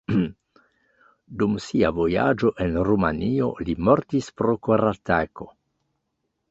Dum sia vojaĝo en Rumanio li mortis pro koratako.